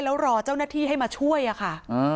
แล้วรอเจ้าหน้าที่ให้มาช่วยอะค่ะ